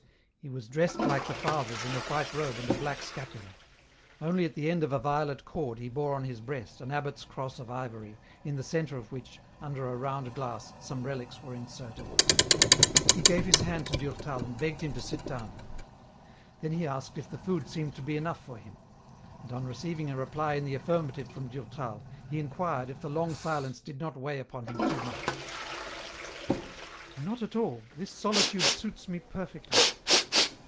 He was dressed like the fathers in a white robe and a black scapular ; only at the end of a violet cord he bore on his breast an abbot's cross of ivory, in the centre of which, under a round glass, some relics were inserted. He gave his hand to Durtal and begged him to sit down. Then he asked if the food seemed to be enough for him. And on receiving a reply in the affirmative from Durtal he inquired if the long silence did not weigh upon him too much. " Not at all, this solitude suits me perfectly."